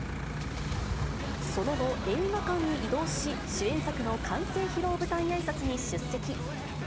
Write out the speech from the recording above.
その後、映画館に移動し、主演作の完成披露舞台あいさつに出席。